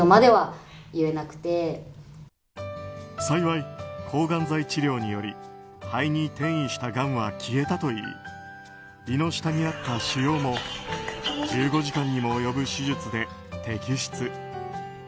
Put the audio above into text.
幸い、抗がん剤治療により肺に転移したがんは消えたといい胃の下にあった腫瘍も１５時間にも及ぶ手術で摘出。